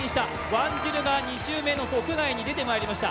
ワンジルが２周目の屋外に出てまいりました。